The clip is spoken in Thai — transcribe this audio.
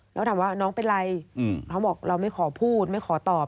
แล้วถามว่าน้องเป็นไรน้องบอกเราไม่ขอพูดไม่ขอตอบ